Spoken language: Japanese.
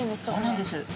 そうなんです。